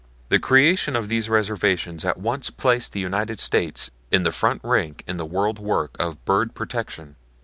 The creation of these reservations at once placed the United States in the front rank in the world work of bird protection.